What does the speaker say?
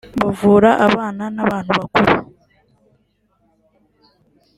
bavura abana n’abantu bakuru